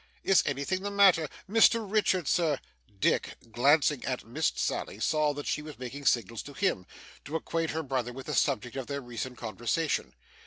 Is anything the matter? Mr Richard, sir ' Dick, glancing at Miss Sally, saw that she was making signals to him, to acquaint her brother with the subject of their recent conversation.